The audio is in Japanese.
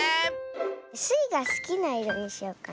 スイがすきないろにしようかな。